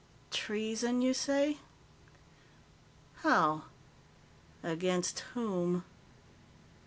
Treason, you say? How? Against whom?"